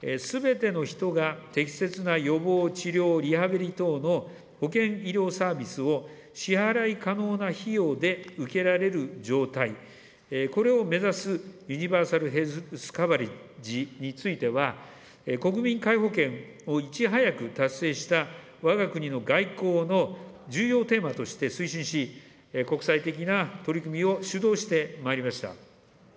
すべての人が適切な予防、治療、リハビリ等の保険医療サービスを支払い可能な費用で受けられる状態、これを目指すユニバーサル・ヘルス・カバレッジについては、国民皆保険をいち早く達成したわが国の外交の重要テーマとして推進し、国際的な取り組みを主導してまいりました。